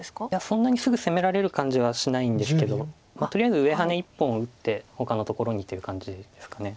そんなにすぐ攻められる感じはしないんですけどとりあえず上ハネ１本を打ってほかのところにという感じですか。